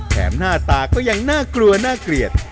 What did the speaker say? หน้าตาก็ยังน่ากลัวน่าเกลียด